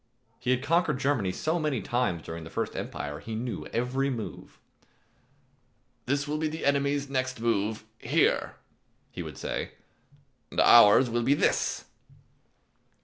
He had conquered Germany so many times during the First Empire, he knew every move. "This will be the enemy's next move, here," he would say, "and ours will be this."